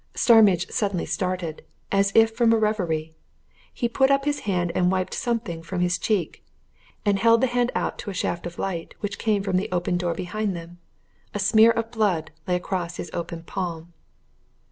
Starmidge suddenly started, as if from a reverie. He put up his hand and wiped something from his cheek, and held the hand out to a shaft of light which came from the open door behind them. A smear of blood lay across his open palm.